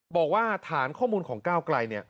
บอกว่าฐานข้อมูลของก้าวไกล